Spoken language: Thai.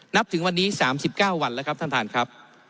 ถึงวันนี้๓๙วันแล้วครับท่านท่านครับ